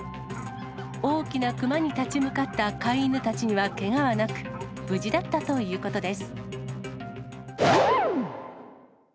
大きな熊に立ち向かった飼い犬たちにはけがはなく、無事だったということです。